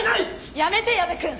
やめて矢部くん！